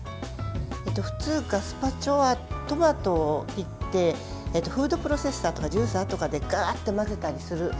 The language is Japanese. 普通、ガスパチョはトマトを切ってフードプロセッサーとかジューサーとかでがーっと混ぜたりする。